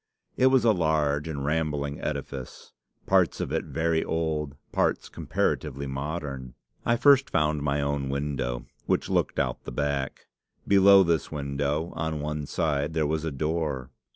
It was a large and rambling edifice, parts of it very old, parts comparatively modern. I first found my own window, which looked out of the back. Below this window, on one side, there was a door.